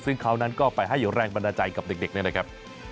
ซึ่งคราวนั้นก็ไปให้อยู่แรงบัณฑาใจกับเด็กนะครับ